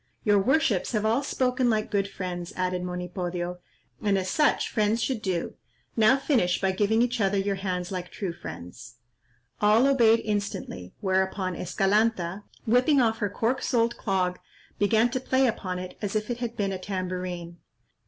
"Your worships have all spoken like good friends," added Monipodio, "and as such friends should do; now finish by giving each other your hands like true friends." All obeyed instantly, whereupon Escalanta, whipping off her cork soled clog, began to play upon it as if it had been a tambourine.